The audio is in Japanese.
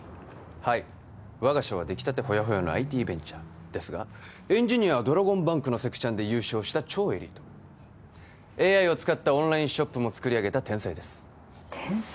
はい我が社はできたてホヤホヤのＩＴベンチャーですがエンジニアはドラゴンバンクのセクチャンで優勝した超エリートＡＩを使ったオンラインショップも作り上げた天才です天才？